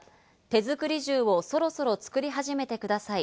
手作り銃をそろそろ作り始めてください。